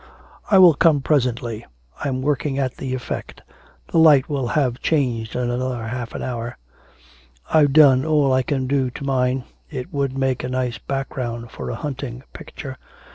'I will come presently. I'm working at the effect; the light will have changed in another half hour.' 'I've done all I can do to mine. It would make a nice background for a hunting picture.